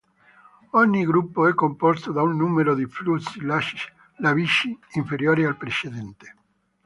Ogni gruppo è composto da un numero di flussi lavici inferiore al precedente.